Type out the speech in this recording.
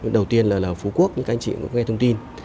đầu tiên là ở phú quốc những anh chị cũng nghe thông tin